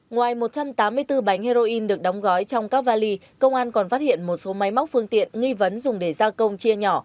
ngoài một trăm tám mươi bốn bánh heroin được đóng gói trong các vali công an còn phát hiện một số máy móc phương tiện nghi vấn dùng để gia công chia nhỏ